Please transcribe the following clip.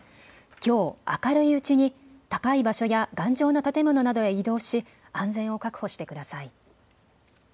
きょう明るいうちに高い場所や頑丈な建物などへ移動し安全を確保してください。